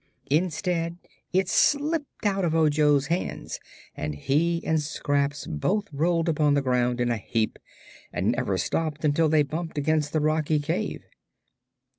Instead, it slipped out of Ojo's hands and he and Scraps both rolled upon the ground in a heap and never stopped until they bumped against the rocky cave.